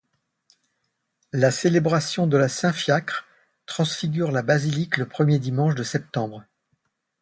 La célébration de la Saint-Fiacre transfigure la basilique le premier dimanche de septembre.